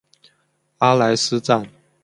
阿莱斯站。